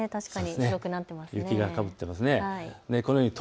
雪をかぶっていますね。